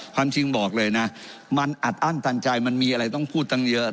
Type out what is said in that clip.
ความจริงบอกเลยนะมันอัดอั้นตันใจมันมีอะไรต้องพูดตั้งเยอะ